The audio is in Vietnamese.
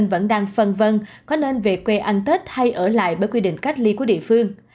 vẫn đang phân vân có nên về quê ăn tết hay ở lại bởi quy định cách ly của địa phương